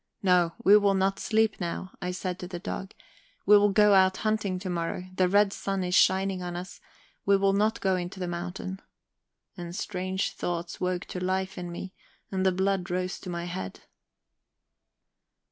"No, we will not sleep now," I said to the dog, "we will go out hunting tomorrow; the red sun is shining on us, we will not go into the mountain." ... And strange thoughts woke to life in me, and the blood rose to my head.